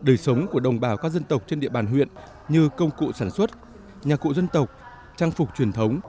đời sống của đồng bào các dân tộc trên địa bàn huyện như công cụ sản xuất nhà cụ dân tộc trang phục truyền thống